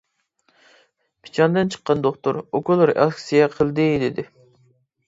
پىچاندىن چىققان دوختۇر «ئوكۇل رېئاكسىيە قىلدى! » دېدى.